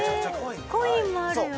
コインもあるよ